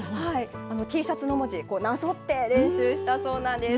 Ｔシャツの文字、なぞって練習したそうなんです。